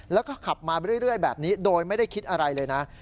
แล้วก็ขับมาเรื่อยแบบนี้โดยไม่ได้คิดอะไรเลยนะ